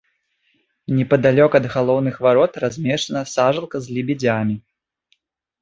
Непадалёк ад галоўных варот размешчана сажалка з лебедзямі.